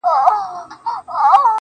سیاه پوسي ده، ستا غمِستان دی.